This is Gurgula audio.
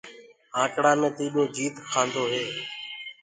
آنڪڙآ مي ٽيڏو جيت ڪآندو هي۔